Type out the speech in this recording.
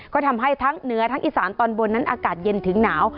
ก็ทำให้ทั้งเหนือทั้งอีสานตอนบนนั้นอากาศเย็นถึงหนาว